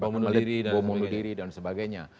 bomul diri dan sebagainya